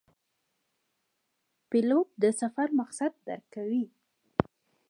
پیلوټ د سفر مقصد درک کوي.